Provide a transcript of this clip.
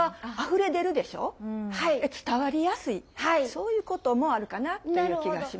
そういうこともあるかなっていう気がします。